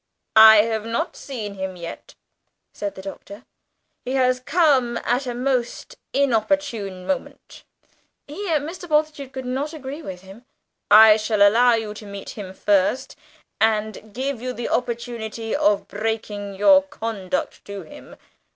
"I have not seen him yet," said the Doctor. "He has come at a most inopportune moment" (here Mr. Bultitude could not agree with him). "I shall allow you to meet him first, and give you the opportunity of breaking your conduct to him.